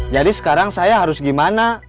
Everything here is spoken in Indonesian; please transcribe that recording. jadi sekarang saya harus gimana